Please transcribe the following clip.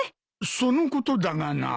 そのことだがな。